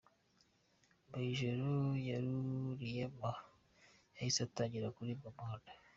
Mu ijoro yaruriyemo yahise atangira kuribwa mu nda.